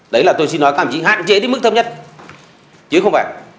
đấy là tôi xin nói hạn chế đến mức thấp nhất chứ không phải